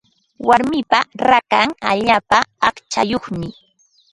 Warmipa rakan allaapa aqchayuqmi.